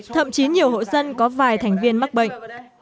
thậm chí nhiều hộ dân có vài thành viên mắc bệnh